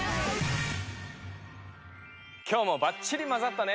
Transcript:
今日もばっちりまざったね。